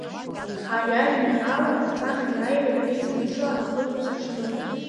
Ари ажәеинраала аԥҵан Аиааира жәеиза мшы анахыҵуаз аҽны.